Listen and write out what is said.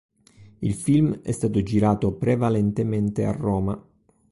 Il film è stato girato prevalentemente a Roma.